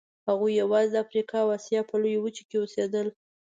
هغوی یواځې د افریقا او اسیا په لویو وچو کې اوسېدل.